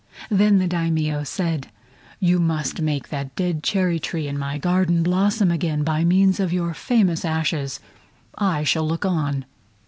Then the Daimio said: "You must make that dead cherry tree in my garden blossom again by means of your famous ashes. I shall look on."